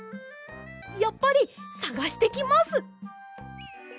やっぱりさがしてきます！